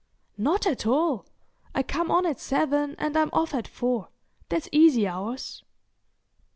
"Not at all. I come on at seven and I'm off at four. That's easy hours."